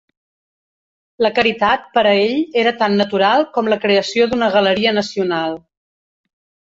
La caritat per a ell era tan natural com la creació d'una galeria nacional.